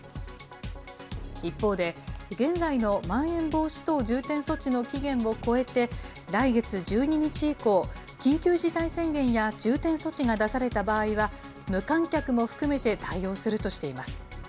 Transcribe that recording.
一方で、現在のまん延防止等重点措置の期限を超えて、来月１２日以降、緊急事態宣言や重点措置が出された場合は、無観客も含めて対応するとしています。